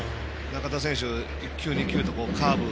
中田選手、１球２球とカーブ